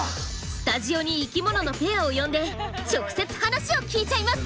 スタジオに生きもののペアを呼んで直接話を聞いちゃいます！